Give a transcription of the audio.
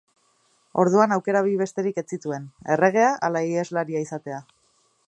Orduan aukera bi besterik ez zituen: erregea ala iheslaria izatea.